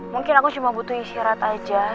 mungkin aku cuma butuh isyarat aja